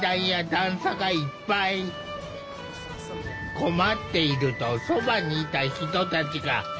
困っているとそばにいた人たちが集まってきた。